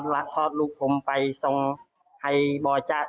ถ้าไม่มีกินยังไงก็ต้องมาเมืองไทยอีกนั่นแหละ